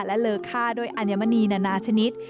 และเลอค่าด้วยอัญมณีนานาชนิด